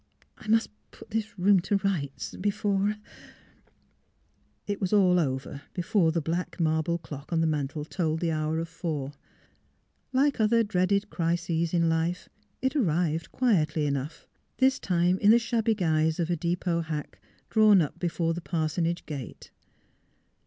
I must put this room to rights before " It was all over before the black marble clock on the mantle told the hour of four. Like other dreaded crises in life, it arrived quietly enough — this time in the shabby guise of a depot hack drawn up before the parsonage gate.